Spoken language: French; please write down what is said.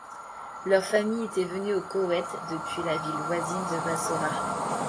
Leur famille était venue au Koweït depuis la ville voisine de Bassora.